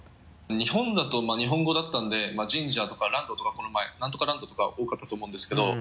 日本だと日本語だったんで神社とかランドとかこの前何とかランドとか多かったと思うんですけど。